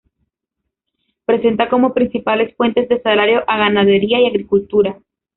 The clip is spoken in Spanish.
Presenta como principales fuentes de salario a ganadería y agricultura.